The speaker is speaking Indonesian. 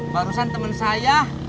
barusan temen saya